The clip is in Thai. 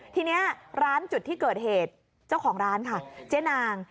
ทีนี้ร้านจุดที่เกิดเหตุเจ้าของร้านค่ะเจ๊นาง